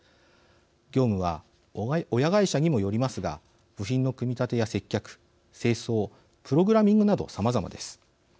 業務は親会社にもよりますが部品の組み立てや接客清掃プログラミングなどさまざまです。